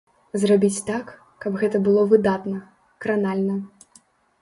Зрабіць так, каб гэта было выдатна, кранальна.